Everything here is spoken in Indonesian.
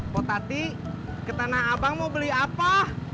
pok tati ke tanah abang mau beli apa